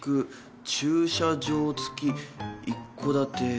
駐車場付き一戸建て」